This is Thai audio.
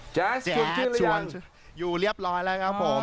แจ๊ดชวนอยู่เรียบร้อยแล้วครับผม